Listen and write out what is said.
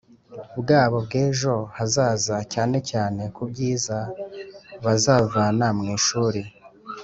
bwabo bw’ejo hazaza cyanecyane ku byiza bazavana mu ishuri.